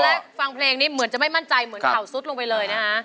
แรกฟังเพลงนี้เหมือนจะไม่มั่นใจเหมือนเข่าซุดลงไปเลยนะฮะ